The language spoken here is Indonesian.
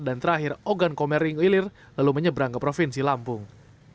dan terakhir ogan komering ilir lalu menyeberang ke provinsi lampung